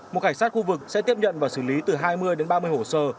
một cảnh sát khu vực sẽ tiếp nhận và xử lý từ hai mươi đến ba mươi hồ sơ